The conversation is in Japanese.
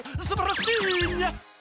すばらしいニャ！